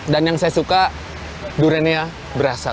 dan yang saya suka duriannya berasa